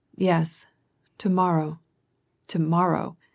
" Yes, to morrow, to morrow